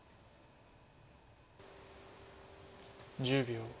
１０秒。